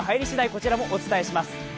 こちらもお伝えします。